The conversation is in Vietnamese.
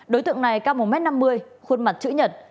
đối tượng này cao một m năm mươi khuôn mặt chữ nhật